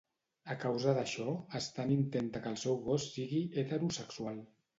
A causa d'això, Stan intenta que el seu gos sigui heterosexual.